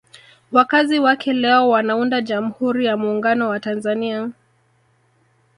Wakazi wake leo wanaunda Jamhuri ya Muungano wa Tanzania